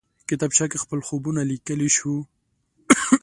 کتابچه کې خپل خوبونه لیکلی شو